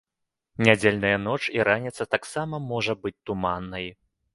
Нядзельная ноч і раніца таксама можа быць туманнай.